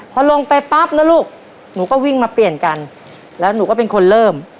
พอลงไปปั๊บนะลูกหนูก็วิ่งมาเปลี่ยนกันแล้วหนูก็เป็นคนเริ่ม